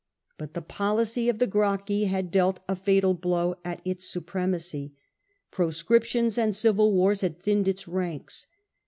But the policy of the Gracchi had dealt a fatal blow at its supremacy. Proscrip tions and civil wars had thinned its ranks.